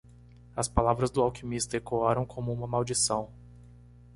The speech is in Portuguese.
As palavras do alquimista ecoaram como uma maldição.